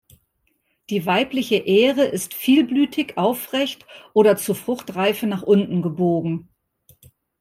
Die weibliche Ähre ist vielblütig, aufrecht oder zur Fruchtreife nach unten gebogen.